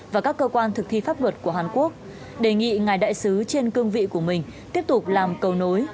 và các cơ quan thực thi pháp luật của hàn quốc đề nghị ngài đại sứ trên cương vị của mình tiếp tục làm cầu nối